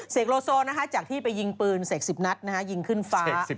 เสกโลโซนะคะจากที่ไปยิงปืนเสกสิบนัทนะฮะยิงขึ้นฟ้า